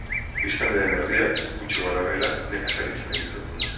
Biztanleen erdiak, gutxi gorabehera, nekazaritzan egiten du lan.